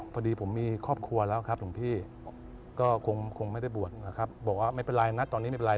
พอดีผมมีครอบครัวแล้วครับหลวงพี่ก็คงไม่ได้บวชนะครับบอกว่าไม่เป็นไรนะตอนนี้ไม่เป็นไร